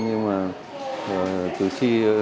nhưng mà tứ chi